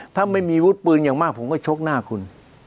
ถ้าไม่มีวุฒิปืนอย่างมากผมก็ชกหน้าคุณ